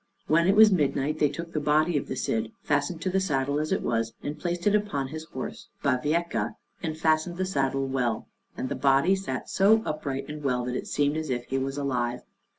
When it was midnight they took the body of the Cid, fastened to the saddle as it was, and placed it upon his horse Bavieca, and fastened the saddle well; and the body sat so upright and well that it seemed as if he was alive.